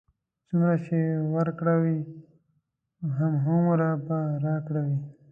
څومره چې ورکړه وي، هماغومره به راکړه وي.